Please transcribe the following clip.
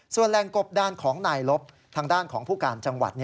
ส่วนแรงกบดานของนายลบทางด้านของผู้การจังหวัด